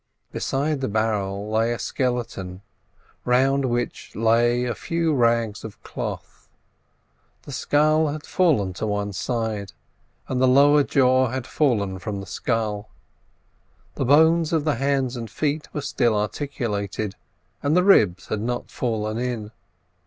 Beside the barrel lay a skeleton, round which lay a few rags of cloth. The skull had fallen to one side, and the lower jaw had fallen from the skull; the bones of the hands and feet were still articulated, and the ribs had not fallen in.